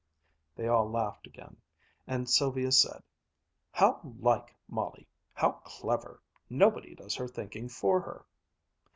They all laughed again, and Sylvia said: "How like Molly! How clever! Nobody does her thinking for her!"